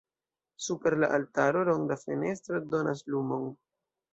Super la altaro ronda fenestro donas lumon.